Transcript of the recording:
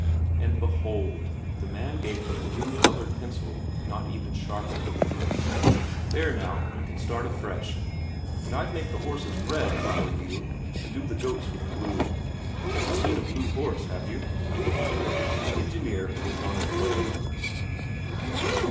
And behold, the man gave him a new coloured pencil, not even sharpened. "There, now you can start afresh. But I'd make the horses red if I were you, and do the goats with blue. Never seen a blue horse, have you?" And the engineer went on his way.